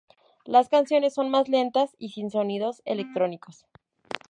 Las canciones son más lentas y sin sonidos electrónicos.